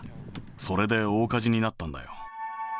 それで大火事になったんだよ。